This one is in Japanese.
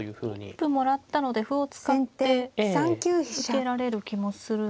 一歩もらったので歩を使って受けられる気もするんですが。